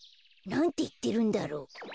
なんていってるんだろう？